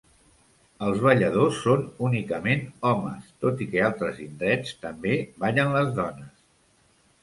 Els balladors són únicament homes tot i que altres indrets també ballen les dones.